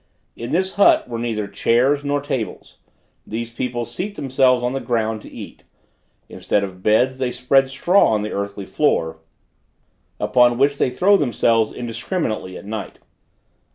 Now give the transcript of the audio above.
In this hut were neither chairs nor tables; these people seat themselves on the ground to eat; instead of beds they spread straw on the earthy floor, upon which they throw themselves indiscriminately at night.